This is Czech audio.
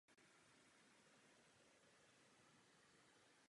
Původní kostel byl zničen za husitské revoluce.